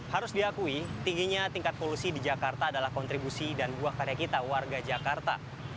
harus diakui tingginya tingkat polusi di jakarta adalah kontribusi dan buah karya kita warga jakarta